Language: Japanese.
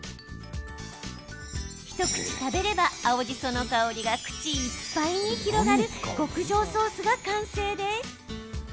一口食べれば、青じその香りが口いっぱいに広がる極上ソースが完成です。